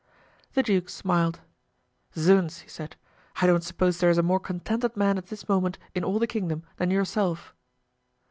The duke smiled. "Zounds!" he said; "I don't suppose there is a more contented man at this moment in all the kingdom than yourself!"